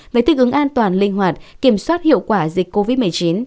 với thức ứng an toàn linh hoạt kiểm soát hiệu quả dịch covid một mươi chín